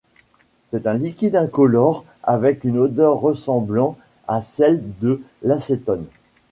C'est un liquide incolore avec une odeur ressemblant à celle de l'acétone.